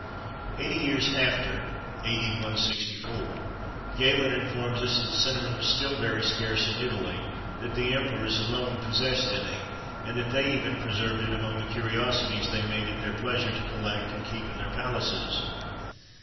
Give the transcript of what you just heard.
[XXIII 75] Eighty years after (A.D. 164), Galen informs us that cinnamon was still very scarce in Italy; that the Emperors alone possessed any; and that they even preserved it among the curiosities they made it their pleasure to collect and keep in their palaces.